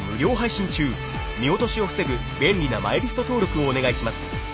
［見落としを防ぐ便利なマイリスト登録をお願いします］